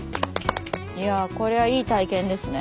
いやぁこれはいい体験ですね。